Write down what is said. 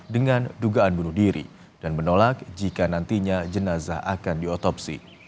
dengan dugaan bunuh diri dan menolak jika nantinya jenazah akan diotopsi